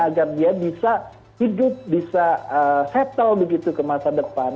agar dia bisa hidup bisa settle begitu ke masa depan